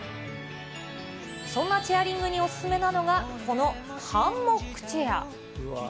そんなチェアリングにお勧めなのが、このハンモックチェア。